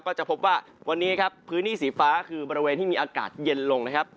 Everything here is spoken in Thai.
ก็จะพบว่าวันนี้ครับพื้นที่สีฟ้าคือบริเวณที่มีอากาศเย็นลงนะครับ